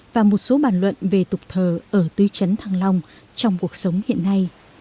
và một số bàn luận về tục thờ ở tư chấn thăng long trong cuộc sống hiện nay